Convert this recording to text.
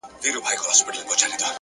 هره شیبه د نوې لارې امکان لري,